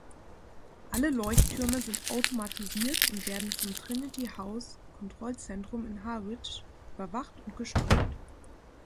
Alle Leuchttürme sind automatisiert und werden vom Trinity House-Kontrollzentrum in Harwich überwacht und gesteuert.